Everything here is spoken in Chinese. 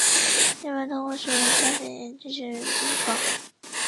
一般通过使用加碘盐进行预防。